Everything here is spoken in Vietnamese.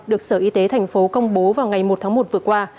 được sở y tế tp hcm công bố vào ngày một tháng một vừa qua